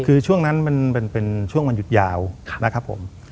คือช่วงนั้นมันเป็นช่วงวันหยุดยาวนะครับผม